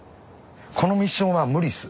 このミッションは無理っす。